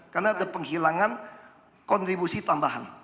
karena ada penghilangan kontribusi tambahan